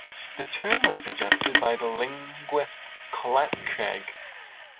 The term was suggested by the linguist Colette Craig.